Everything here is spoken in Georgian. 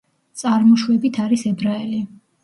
წარმოშვებით არის ებრაელი.